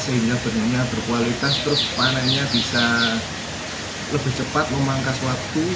sehingga benihnya berkualitas terus panennya bisa lebih cepat memangkas waktu